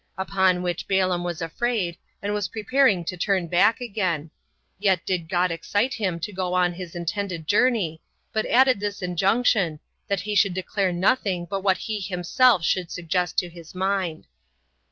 Upon which Balaam was afraid, and was preparing to return back again: yet did God excite him to go on his intended journey, but added this injunction, that he should declare nothing but what he himself should suggest to his mind.